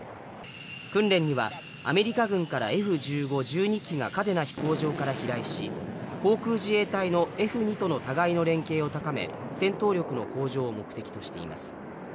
訓練にはアメリカ軍からＦ１５、１２機が嘉手納飛行場から飛来し航空自衛隊のＦ２との互いの連携を高め戦闘力の向上を目的としています。